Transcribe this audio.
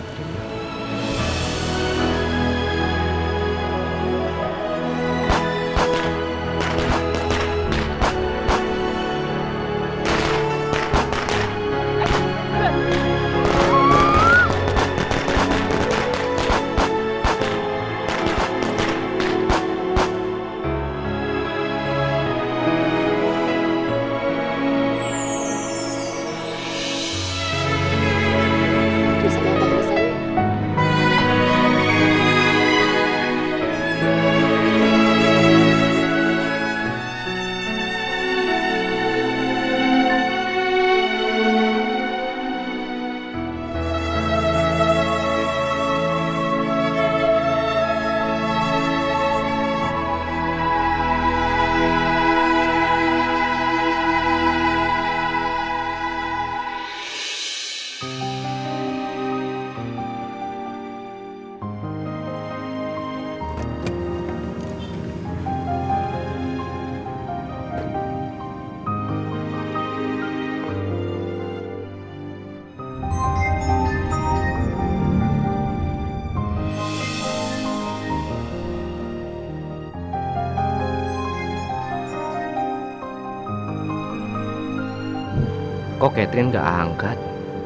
kok catherine gak angkat